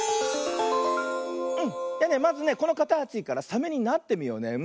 うんまずねこのかたちからサメになってみようね。